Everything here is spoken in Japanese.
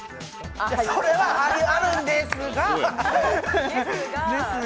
それはあるんですが！